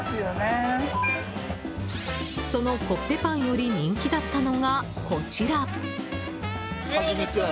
そのコッペパンより人気だったのが、こちら。